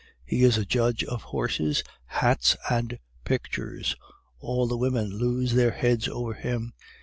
He is a judge of horses, hats, and pictures. All the women lose their heads over him.